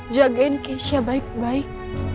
jagain keisha baik baik